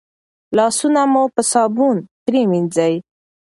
لاسونه مو په صابون پریمنځئ.